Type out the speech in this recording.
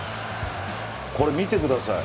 これを見てください。